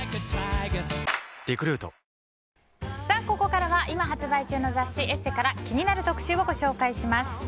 ここからは今発売中の雑誌「ＥＳＳＥ」から気になる特集をご紹介します。